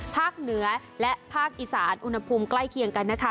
ภาคเหนือและภาคอีสานอุณหภูมิใกล้เคียงกันนะคะ